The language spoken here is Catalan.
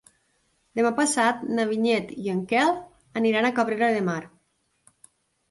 Demà passat na Vinyet i en Quel aniran a Cabrera de Mar.